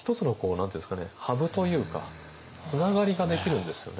ハブというかつながりができるんですよね。